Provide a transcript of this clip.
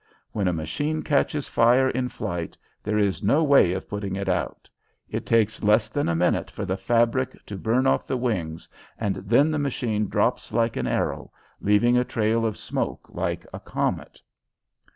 When a machine catches fire in flight there is no way of putting it out. It takes less than a minute for the fabric to burn off the wings, and then the machine drops like an arrow, leaving a trail of smoke like a comet.